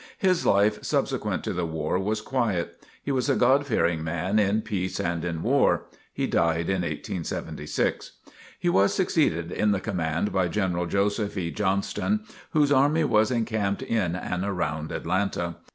His life subsequent to the war was quiet. He was a God fearing man in peace and in war. He died in 1876. He was succeeded in the command by General Joseph E. Johnston, whose army was encamped in and around Atlanta.